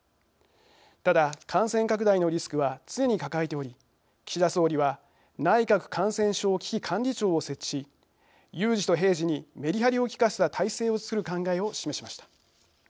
ただ、感染拡大のリスクは常に抱えており、岸田総理は「内閣感染症危機管理庁」を設置し、有事と平時にメリハリをきかせた体制をつくる考えを示しました。